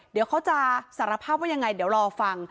เดี๋ยวเขาจะสารภาพว่ายังไงเดี๋ยวรอฟัง